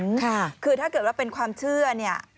ค่ะคือถ้าเกิดว่าเป็นความเชื่อเนี่ย